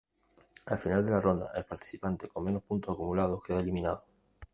Al final de la ronda, el participante con menos puntos acumulados queda eliminado.